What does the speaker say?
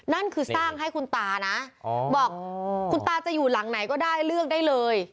นั่นคือสร้างให้คุณตานะบอกคุณตาจะอยู่หลังไหนก็ได้เลือกได้เลย